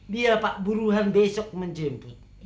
biar pak burhan besok menjemput